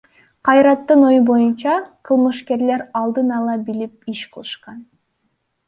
Кайраттын ою боюнча, кылмышкерлер алдын ала билип иш кылышкан.